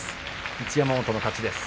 一山本の勝ちです。